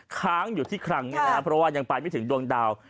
ค้างอยู่ที่คลังเนี่ยนะครับเพราะว่ายังไปไม่ถึงดวงดาว